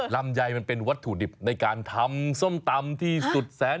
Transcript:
ลำไยมันเป็นวัตถุดิบในการทำส้มตำที่สุดแสน